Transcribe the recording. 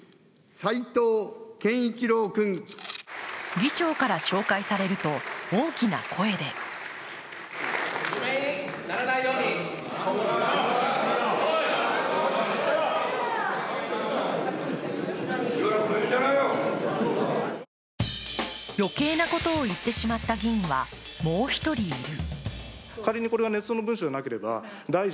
議長から紹介されると大きな声で余計なことを言ってしまった議員はもう一人いる。